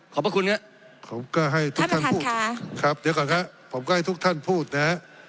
พระคุณครับผมก็ให้ทุกท่านพูดครับเดี๋ยวก่อนครับผมก็ให้ทุกท่านพูดนะฮะ